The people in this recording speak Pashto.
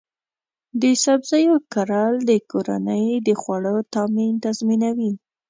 د سبزیو کرل د کورنۍ د خوړو تامین تضمینوي.